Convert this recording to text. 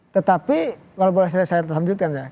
tetapi kalau boleh saya lanjutkan ya